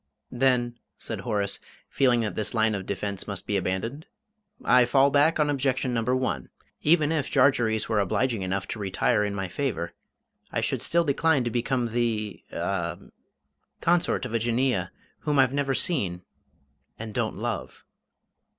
"Then," said Horace, feeling that this line of defence must be abandoned, "I fall back on objection number one. Even if Jarjarees were obliging enough to retire in my favour, I should still decline to become the a consort of a Jinneeyeh whom I've never seen, and don't love."